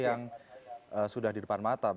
ada beberapa masalah yang sudah di depan mata